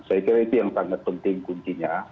saya kira itu yang sangat penting kuncinya